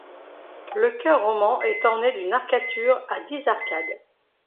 Le chœur roman est orné d'une arcature à dix arcades.